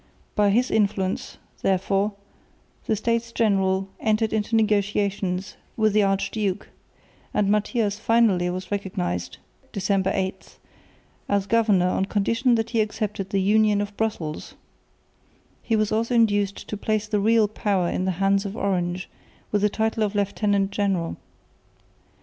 By his influence, therefore, the States General entered into negotiations with the Archduke; and Matthias finally was recognised (December 8) as governor on condition that he accepted the Union of Brussels, He was also induced to place the real power in the hands of Orange with the title of Lieutenant General.